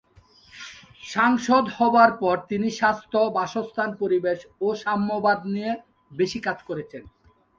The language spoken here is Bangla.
সাংসদ হবার পর তিনি স্বাস্থ্য, বাসস্থান, পরিবেশ এবং সাম্যবাদ নিয়ে বেশি কাজ করেছেন।